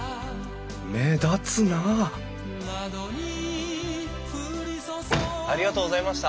目立つなありがとうございました。